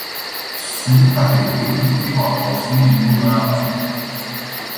Sunt categoric împotriva haosului din lumea arabă.